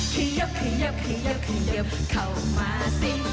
เขยับเขยับเขยับเขยับเข้ามาสิ